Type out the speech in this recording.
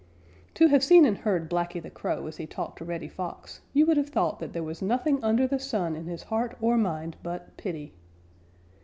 _ To have seen and heard Blacky the Crow as he talked to Reddy Fox, you would have thought that there was nothing under the sun in his heart or mind but pity.